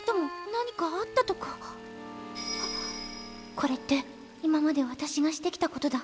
これって今まで私がしてきたことだ。